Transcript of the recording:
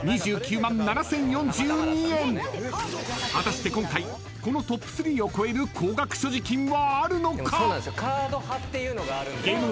［果たして今回このＴＯＰ３を超える高額所持金はあるのか！？］